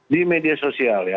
di media sosial ya